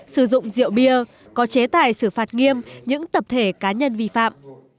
sử dụng rượu bia có chế tài xử phạt nghiêm những tập thể cá nhân vi phạm